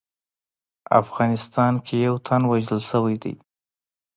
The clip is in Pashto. افغانستان کې یو تن وژل شوی دی